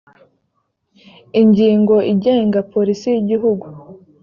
ingingo igenga polisi y’igihugu